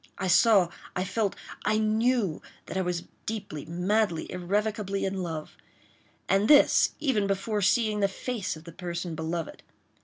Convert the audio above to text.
I saw—I felt—I knew that I was deeply, madly, irrevocably in love—and this even before seeing the face of the person beloved.